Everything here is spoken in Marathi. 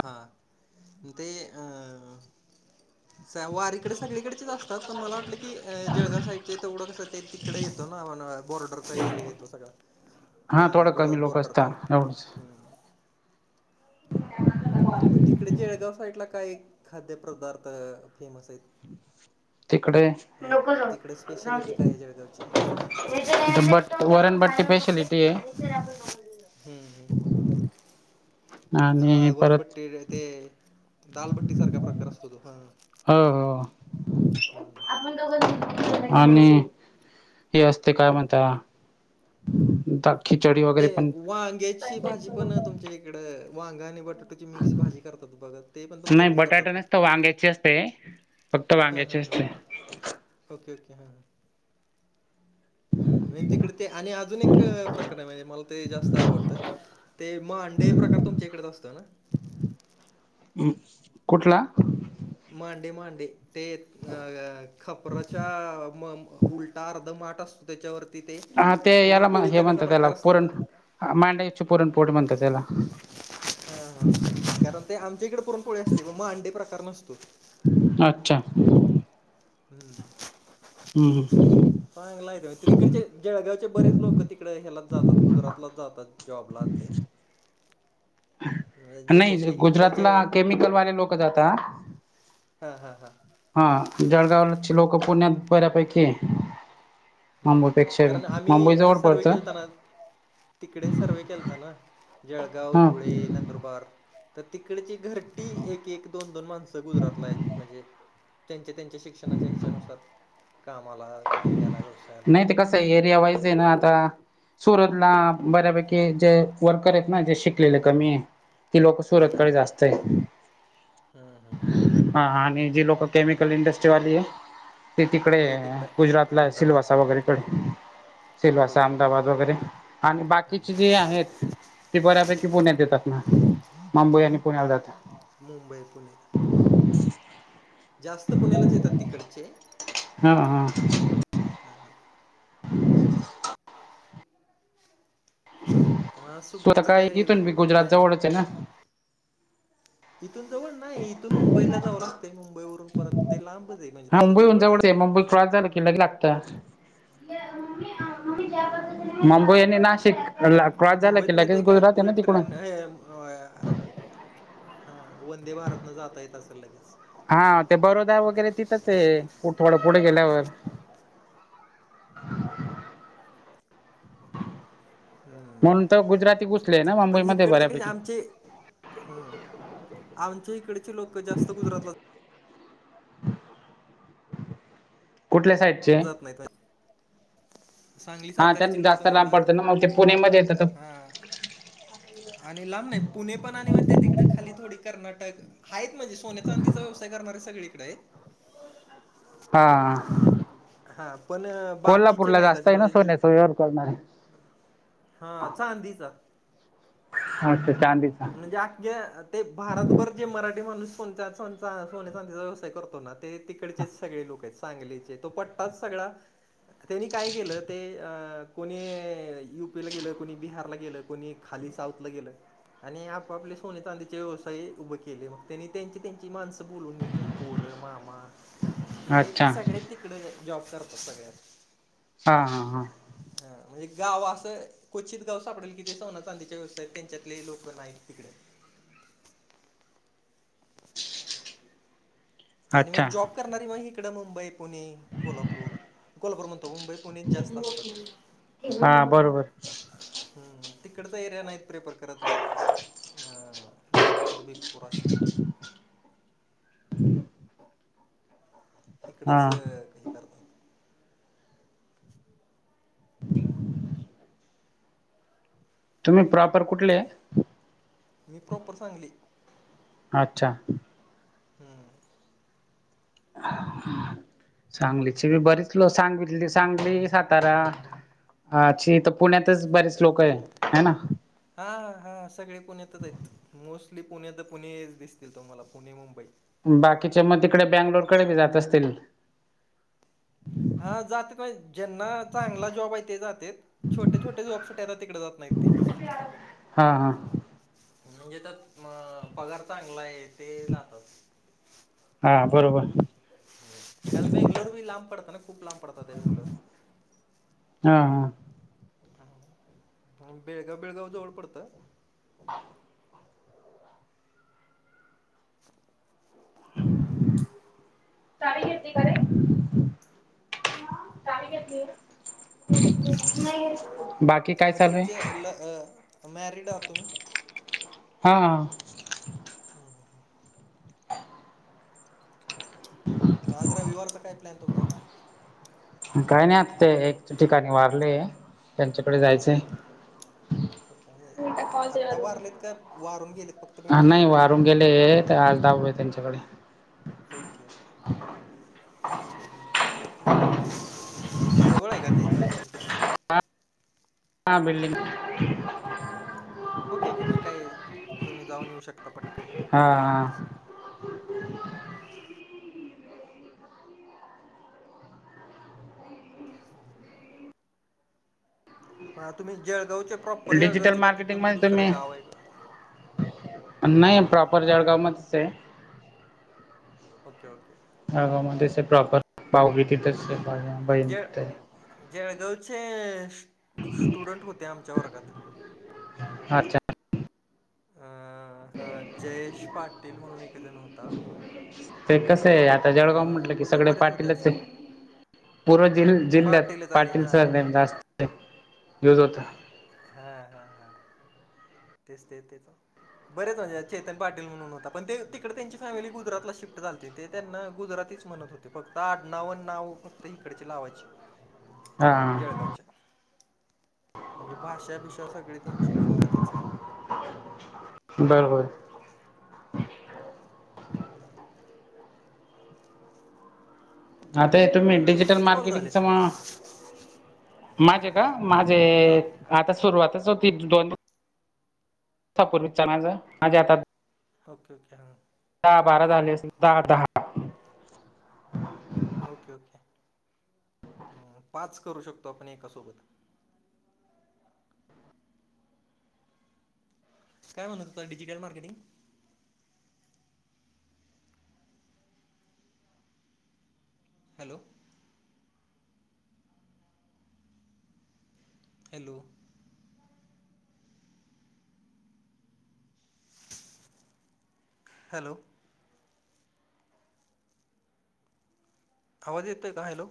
हां ते स वारीकडे सगळीकडेचेच असतात पण मला वाटलं की जळगाव साईडचे ते उडं कसं ते तिकडे येतो ना बॉर्डरचा एरिया येतो सगळा ना हा थोडं कमी गुजरात लोक असता बोर्डरचा एवढंच ह्म मग तिकडे जेळगाव साईडला काय खाद्यपदार्थ फेमस आहेत तिकडे म्हणजे नक जा तिकडे स्पेशालिटी काय आहे जळगावची जा बट्ट वरण भट्टी पेशलिटी आहे हम्म जाऊ. ह आणि अ परत गोरणपट्टी ते दालभट्टी सारख्या प्रकार असतो तो हा हो हो आणि हे असते काय म्हणता त ते वांग्याची भाजी पण तुमच्या इकड वांगा आणि बट मिक्स भाजी करतात बघ ते पण नाही तुमच्याकडेच बटाटा करतात का नसतं वांग्याची असते फक्त हां, हां, वांग्याचेच हां. ते ओके ओके हा हम म्हणजे तिकडे ते आणि अजून एक प्रकर आहे म्हणजे मला ते जास्त आवडतं ते म अंडे प्रकार तुमच्या इकडेच असतं ना कठला मांडे मांडे ते अ खपराच्या म उलट ारदमाटस हा ते याला म हे कसा म्हणतात त्याला प्रकार असतो त परण मांड चप पुरण पोट म्हणतात त्याला हा हा कारण ते आमच्या इकडे पुरण पुळे असते व म अंडे प्रकार नसतो अच्छा हम्म ह चांगला तिकडचे जळगावचे बरेच लोक तिकडे ह्याला जातात गुजरातलाच जातात जॉबला आणि ते म्हणजे जे कसे नाही इकडचे गुजरातला केमिकल वाले लोक जातात हा हा हा हा जळगावची लोकं पुण्यात बऱ्यापैकी हम्म मुंबईपेक्षा कारण आम्ही मुंबई हे जवळ सर्व पडतं केलताना तिकडे सर्वे केलत ना जळगाव हा धुळे नंदुरबार तर तिकडची घरटी एक एक दोन दोन माणसं गुजरातला आहेत म्हणजे त्यांच्या त्यांच्या शिक्षणाच्या हिच्यानुसार कामाला धंद्याला व्यवस्था नाही ते कसं आहे एरिया वाईज आहे ना आता सुरतला बऱ्यापैकी जे वर्कर आहेत ना जे शिकलेले कमी कि लोक हम्म सुरतकडे हम्म जास्त आहे हम्म हम्म हम्म हम्म हा आणि जी लोक केमिकल इंडस्ट्रीवाली आहे ती तिकडे तिकडं गुजरातला अहमदाबाद सिल्वासा साईड हां वगैरेकडे okay Silvassa okay okay Ahmedabad हां वगैरे आणि बाकीचे जे आहेत ते बऱ्यापैकी पुण्यात येतात ना मुंबई आणि पुण्याला हां जातात मुंबई पुणे जास्त पुण्यालाच येतात तिकडचे हा हा हा हा अं, स्तः सुट्टीचं काय इथूनी गुजरात प्लॅनिंग जवळच आहे ना इथून जवळ नाही इथून मुंबईला जावं लागतंय मुंबई वून परत ते लांबचई म्हणजे तसं जवळ नाही त्रास झाला कि नाही लागत हम्म मुंबई आणि नाशिक क्रॉस झाला क मुंबईत ल ना ते कीच काय गुजरात आहे ना बुलेट तिकडून ट्रेन हे हा वंदे भारतन जाता येत असं लगेच हा ते बरोदा वगैरे तिथंच आहे थोडं पुढे गेल्यावर हम्म म्हणून तर गुजराती घुसले ना पण ह मुंबईमध्ये कडते कसे बऱ्यापैकी आमचे हम्म आमच्या इकडचे लोक जास्त गुजरातला कुठल्या साईट जात नाही हा त्यांना साताऱ्याचे लोक जास्त लांब म्हणलं पडतं ना मग ते पुणे म येतं हा आणि लांब नाही पुणे पण आणि मग ते तिकडें खाली थोडी कर्नाटक आहेत म्हणजे सोनचा अधीचा व्यवसाय करणारे सगळीकडे आहेत हा हा पण बाकीचे कोल्हापूरला नाहीत जास्त असे आहे ना सोन्या म्हणजे सोयवर करणारे हा चांदीीचा अे ांंदीचा म्हणजे अख्या ते भारतभर जे मराठी माणूस कोचाचा सोने चांदीचा व्यवसाय करतो ना ते तिकडचेच सगळे लोक आहेत सांगलीचे तो पटतााच सगळा त्यांनी काय केलं ते कोणी युपीला गेलं कोणी बिहारला गेलं कोणी खाली साऊथला गेलं आणि आपापले सोने तांद्याचे व्यवसाय उभे केले मग त्यांनी त्यांची त्यांची माणसं बोलून घेतली पोरं मामा तर तेनी अच्छा सगळे तिकड जॉब करतात सगळ्यात हा हा हा हा म्हणजे गाव असं क्चित गाव सापडेल कि ते सोना चांदीच्या व्यवसायात त्यांच्यात लोक नाही तिकडे आणि मग अच्छा जॉब करणारी मग इकडं मुंबई पुणे कोल्हापूर कोलपूर म्हणंतो मुंबई पुणे जास्त असतात हा बरोबर हम् तिकडचा एरिया नाही प्रे प्रकारातला नागपरवी पुोराशी ह ह तिकडंच कही करतात तुम्ही प्रॉपर कुठले मी प्रॉपर सांगली अच्छा हम्म सांगलीची बी बरीच लो सांगितली त सांगली सातारा हा अ्छ तर पुण्यातच बरेच लोक आहे ह ना हा हा सगळे पुण्यातच आहेत मोस्टली पुण्यात पुणे दिसतील तुम्हाला पुणे मुंबई बाकीच्या मग तिकडे बँंगलोरकडे बी जात असतील हा जात काय ज्यांना चांगला जॉब आहे ते जातेत छोटे छोटे जॉबसट आता तिकडे जात नाही ते हा हा म्हणजे त्यात अ पगार चांगला आहे ते जातात हा बरोबर का बेंगलूर लांब पडत ना खुप लांब पडतातातवींग हा हा ह बेळगाव बेळगाव जवळ पडतं हा ळी किती करे काय घेतली नाही बाकी काय मग चालू आहे तुमचे ल अ मॅरिड आहात तुम्ही हा हा हो ह ह ह माजरा विवारचा काय प्लॅन तुमचा काही नाही आ ते एक ठिकाणी वारले त्यांच्याकडे जायचंय फट आहे मी काय कॉल आत्ता केला वारलेत का वारून गेलेत फक्त हा भेट नाही जायच वारून गेले तर आज दाव आहे त्यांच्याकडे ओके ओके ओके. [inaudible] जवळ आहे का ते इथ ना तुमच्यारीथं हा बिल्डीिंग ओके ओके मग काय तुम्ही जाऊन येऊ शकता पटकन हा हा म तुम्ही जळगावचे प्रॉपर डिजिटल जळगावचे का मार्केटिंग तिथून मध्ये तुम्ही दुसरं गाव आहे का नाही प्रॉपर हां जळगाव मच आहे ओके ओके हगा मध्ये अस प्रॉपर पाव बी तिथ जळ जळगावचे स्टुडंट होते आमच्या वर्गात अच्छा अ हा जयेश पाटील म्हणून एक जण होता ते कसं आहे आता जळगाव पुन्हा म्हटलं की होते सगळे बरेच होते पाटीलच असे आहे पूर्व जि जिल्ह्यात पाटीलच आले हां पाटीलचा हां नेम हां जास्त युज होता हा हा हा तेच ते ते तर बरेच म्हजे चेतन पाटील म्हणून होता पण ते तिकडे त्यांची फॅमिली गुजरातला शिफ्ट झाली ते त्यांना गुजरातीच म्हणत होते फक्त आड्नावननाव फक्त इकडचे लावाचे हा जळगावच्या म्हणजे भाषाभिषा सगळी त्यांची गुजरातीच बरबर हम हम आता तर तुम्ही ते तुमचे डिजिटल किती कॉल मार्केटिंग च झालेत म माझे का माझे हां आता सुरुवातच होती दोन सपूरवीचणाझ म्हझे आता ओके ओके हां दहा बारा झाले अस दहा दहा ओके ओके पाच करू शकतो आपण एकासोबत काय म्हणत तु digit marketing hello hello hello आवाज येतोय का हॅलो